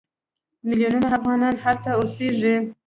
میلیونونه افغانان هلته اوسېږي.